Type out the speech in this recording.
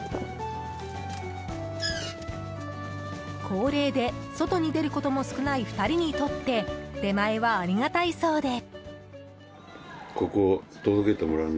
高齢で外に出ることも少ない２人にとって出前はありがたいそうで。